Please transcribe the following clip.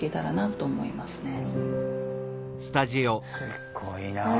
すごいなあ。